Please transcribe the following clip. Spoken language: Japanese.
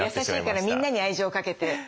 優しいからみんなに愛情かけて。